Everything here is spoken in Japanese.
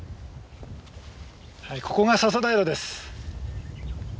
はいここが笹平です。